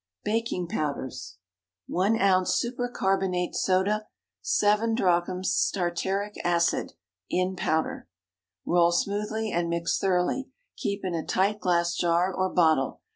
BAKING POWDERS. 1 ounce super carbonate soda. 7 drachms tartaric acid—(in powder.) Roll smoothly and mix thoroughly. Keep in a tight glass jar or bottle.